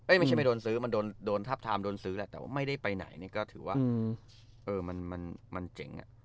ไม่ใช่ไม่โดนซื้อมันโดนทับทามโดนซื้อแหละแต่ว่าไม่ได้ไปไหนนี่ก็ถือว่ามันเจ๋ง